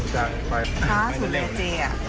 ช้าสุดเดียวเจมส์อ่ะ